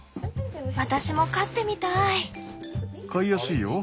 私も飼ってみたい。